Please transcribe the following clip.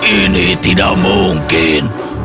ini tidak mungkin